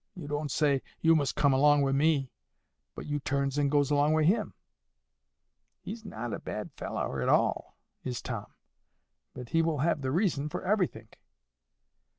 You don't say, 'You must come along wi' me,' but you turns and goes along wi' him. He's not a bad fellow at all, is Tom; but he will have the reason for everythink.